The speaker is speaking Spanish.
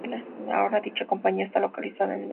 Ahora, dicha compañía está localizada en Mesa, Arizona.